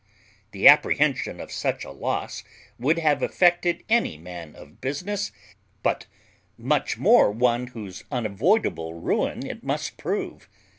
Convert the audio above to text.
The apprehension of such a loss would have affected any man of business, but much more one whose unavoidable ruin it must prove.